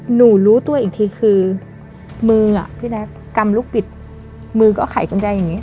หนูรู้ตัวอีกทีคือมือพี่แด๊บกำลุกปิดมือก็ข่ายกางแจอย่างนี้